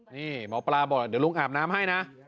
นี่หมอปลาบอกเดี๋ยวลุงอาบน้ำให้นะ